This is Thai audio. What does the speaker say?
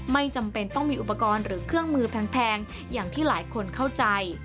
ไม่จำเป็นต้องมีอุปกรณ์หรือเครื่องมือแพงอย่างที่หลายคนเข้าใจ